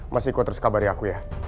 mas iko terus kabari aku ya